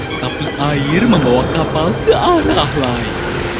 tetapi air membawa kapal ke arah ahli